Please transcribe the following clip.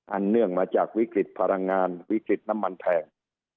เนื่องมาจากวิกฤตพลังงานวิกฤตน้ำมันแพง